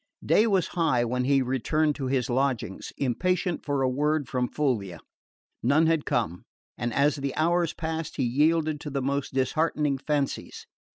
Day was high when he returned to his lodgings, impatient for a word from Fulvia. None had come; and as the hours passed he yielded to the most disheartening fancies.